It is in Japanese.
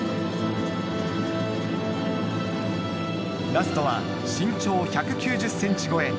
ラストは身長１９０ｃｍ超え